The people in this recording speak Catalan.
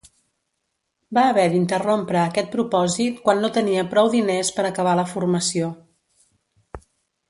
Va haver d'interrompre aquest propòsit quan no tenia prou diners per acabar la formació.